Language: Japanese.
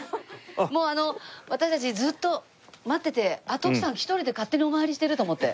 もうあの私たちずっと待っててあっ徳さん１人で勝手にお参りしてる！と思って。